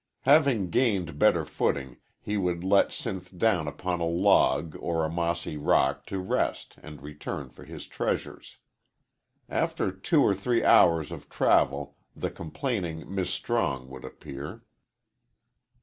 Having gained better footing, he would let Sinth down upon a log or a mossy rock to rest and return for his treasures. After two or three hours of travel the complaining "Mis' Strong" would appear.